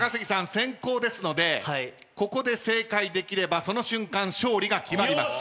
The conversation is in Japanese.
先攻ですのでここで正解できればその瞬間勝利が決まります。